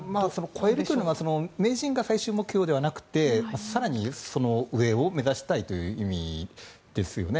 超えるというのは名人が最終目標ではなくて更にその上を目指したいという意味ですよね。